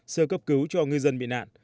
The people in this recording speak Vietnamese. sơ cấp cứu cho ngư dân bị nạn